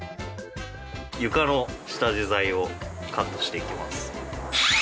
床の下地材をカットしていきます。